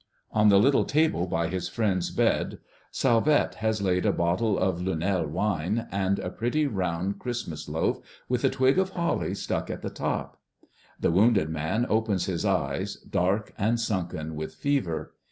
On the little table by his friend's bed Salvette has laid a bottle of Lunel wine and a pretty round Christmas loaf with a twig of holly stuck in the top. The wounded man opens his eyes, dark and sunken with fever.